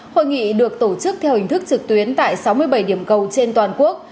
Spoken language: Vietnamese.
hội nghị được tổ chức theo hình thức trực tuyến tại sáu mươi bảy điểm cầu trên toàn quốc